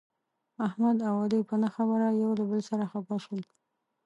احمد او علي په نه خبره یو له بل سره خپه شول.